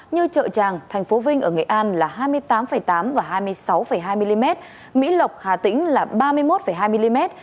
như trợ tràng thành phố vinh ở nghệ an là hai mươi tám tám và hai mươi sáu hai mm mỹ lộc hà tĩnh là ba mươi một hai mm